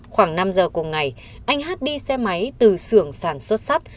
khoảng năm h cùng ngày anh hát đi xe máy từ xưởng sản xuất sắp